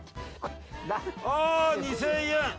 あ２，０００円。